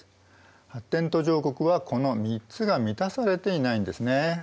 発展途上国はこの３つが満たされていないんですね。